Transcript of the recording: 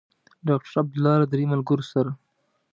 ډاکټر عبدالله له درې ملګرو سره.